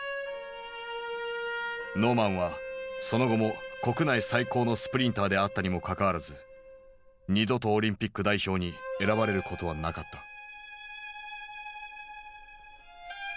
ノーマンはその後も国内最高のスプリンターであったにもかかわらず二度とオリンピック代表に選ばれることはなかった。